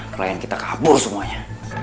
klien kita kabur semuanya